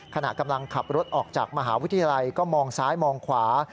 ขณะกำลังขับรถออกจากมหาวิทยาลัยก็มองซ้ายมองขวา